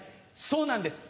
そうなんです